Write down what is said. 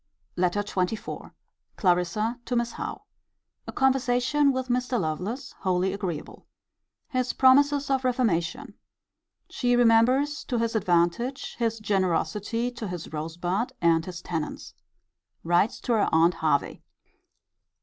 LETTER XXIV. Clarissa to Miss Howe. A conversation with Mr. Lovelace wholly agreeable. His promises of reformation. She remembers, to his advantage, his generosity to his Rosebud and his tenants. Writes to her aunt Hervey.